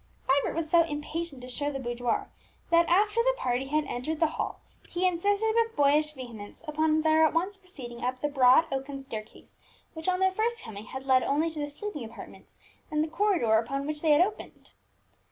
Vibert was so impatient to show the boudoir that, after the party had entered the hall, he insisted with boyish vehemence upon their at once proceeding up the broad oaken staircase, which on their first coming had led only to the sleeping apartments and the corridor upon which they had opened.